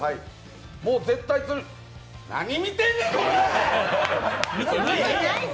もう絶対釣る何見てんねん！